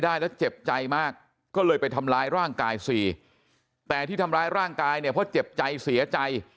แต่ที่ทำร้ายร่างกายเนี่ยเพราะเจ็บใจเสียใจ